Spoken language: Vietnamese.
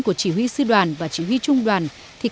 của chỉ huy sư đoàn và chỉ huy trung đoàn